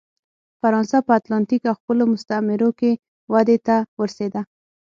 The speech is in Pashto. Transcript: فرانسه په اتلانتیک او خپلو مستعمرو کې ودې ته ورسېده.